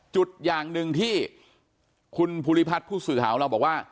อย่างหนึ่งที่คุณภูริพัฒน์ผู้สื่อข่าวของเราบอกว่า